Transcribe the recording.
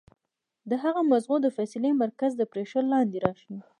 د هغه د مزغو د فېصلې مرکز د پرېشر لاندې راشي